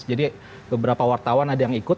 jadi beberapa wartawan ada yang ikut